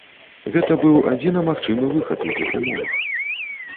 Гэта быў адзіна магчымы выхад у тых умовах.